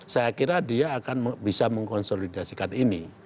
saya kira dia akan bisa mengkonsolidasikan ini